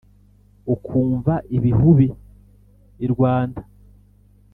ukumva ibihubi i rwanda